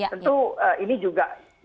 tentu ini juga bisa kita nilai